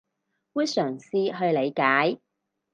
會嘗試去理解